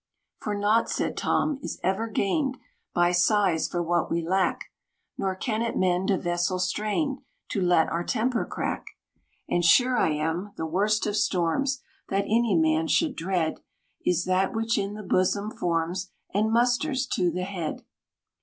"For nought," said Tom, "is ever gained By sighs for what we lack; Nor can it mend a vessel strained, To let our temper crack. "And sure I am, the worst of storms, That any man should dread, Is that which in the bosom forms, And musters to the head."